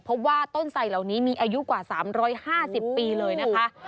เพราะว่าต้นไสเหล่านี้มีอายุกว่า๓๕๐ปีเลยนะคะ